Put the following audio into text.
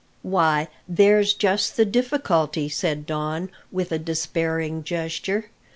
"Why, there's just the difficulty," said Don, with a despairing gesture.